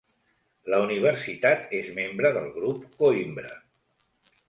La universitat és membre del Grup Coïmbra.